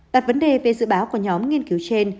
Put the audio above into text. đặt vấn đề về dự báo của nhóm nghiên cứu trên